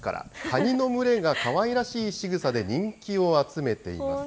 カニの群れがかわいらしいしぐさで人気を集めています。